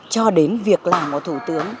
cho đến việc làm của thủ tướng